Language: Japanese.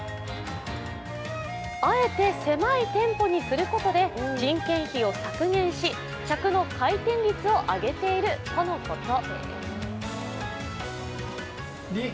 あえて狭い店舗にすることで人件費を削減し客の回転率を上げているとのこと。